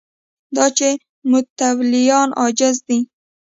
دا چې متولیان عاجزه دي